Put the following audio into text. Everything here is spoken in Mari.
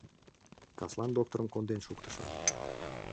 Каслан докторым конден шуктышым.